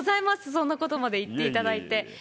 そんなことまで言っていただいて。